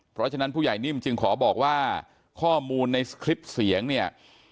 เพราะฉะนั้นผู้ใหญ่นิ่มจึงขอบอกว่าข้อมูลในคลิปเสียงเนี่ย